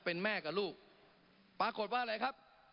เป็นแม่กับลูกปรากฏว่าอะไรครับ